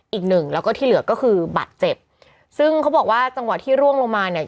อีกหนึ่งแล้วก็ที่เหลือก็คือบัตรเจ็บซึ่งเขาบอกว่าจังหวะที่ร่วงลงมาเนี่ย